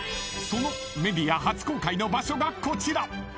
［そのメディア初公開の場所がこちら］